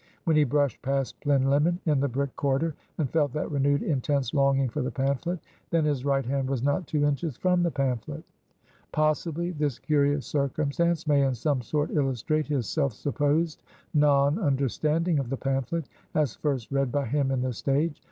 When he brushed past Plinlimmon in the brick corridor, and felt that renewed intense longing for the pamphlet, then his right hand was not two inches from the pamphlet. Possibly this curious circumstance may in some sort illustrate his self supposed non understanding of the pamphlet, as first read by him in the stage.